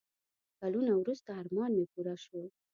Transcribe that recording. کلونه وروسته ارمان مې پوره شو.